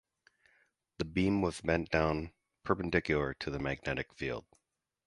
The beam was bent down, perpendicular to the magnetic field.